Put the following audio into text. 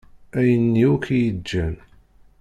Ayen-nni akk i yi-iǧǧan.